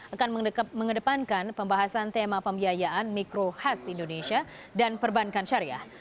akan mengedepankan pembahasan tema pembiayaan mikro khas indonesia dan perbankan syariah